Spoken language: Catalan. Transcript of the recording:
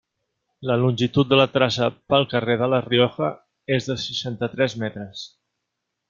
La longitud de la traça pel carrer de La Rioja és de seixanta-tres metres.